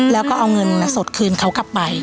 แล้วก็เอาเงินสดคืนเขากลับไป